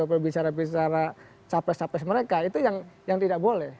atau bicara bicara capes capes mereka itu yang tidak boleh